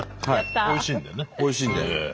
おいしいんで。